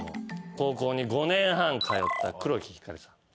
高校に５年半通った黒木ひかりさん。